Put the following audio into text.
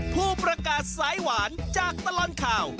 ผู้ประกาศสายหวานจากตลอดข่าว